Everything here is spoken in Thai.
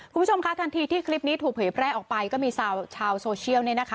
คุณผู้ชมคะทันทีที่คลิปนี้ถูกเผยแพร่ออกไปก็มีชาวโซเชียลเนี่ยนะคะ